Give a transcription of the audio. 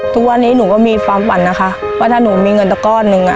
ทุกวันนี้หนูก็มีความฝันนะคะว่าถ้าหนูมีเงินตะก้อนหนึ่ง